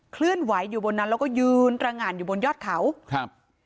เคลื่อนไหวอยู่บนนั้นแล้วก็ยืนตระงานอยู่บนยอดเขาครับ